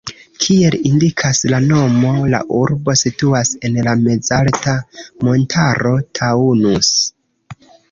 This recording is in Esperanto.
Kiel indikas la nomo, la urbo situas en la mezalta montaro Taunus.